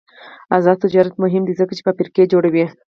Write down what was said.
آزاد تجارت مهم دی ځکه چې فابریکې جوړوي.